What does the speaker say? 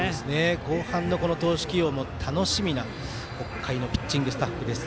後半の投手起用も楽しみな北海のピッチングスタッフです。